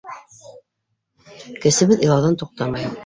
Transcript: Кесебеҙ илауҙан туҡтамай: